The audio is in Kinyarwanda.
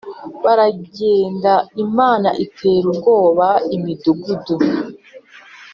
Baragenda Imana itera ubwoba imidugudu